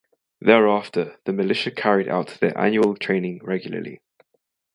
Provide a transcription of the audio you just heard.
Thereafter the militia carried out their annual training regularly.